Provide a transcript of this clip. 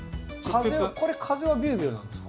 これ風はビュービューなんですか？